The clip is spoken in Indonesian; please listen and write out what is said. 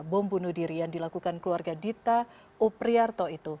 bom bunuh diri yang dilakukan keluarga dita opriarto itu